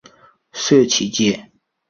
社企界